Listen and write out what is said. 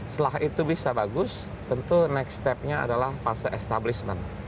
setelah itu bisa bagus tentu next stepnya adalah fase establishment